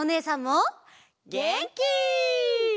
げんき！